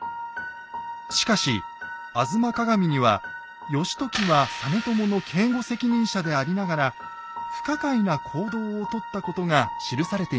しかし「吾妻鏡」には義時は実朝の警護責任者でありながら不可解な行動をとったことが記されていました。